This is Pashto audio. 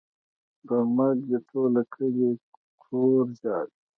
پر مرګ دې ټوله کلي کور ژاړي.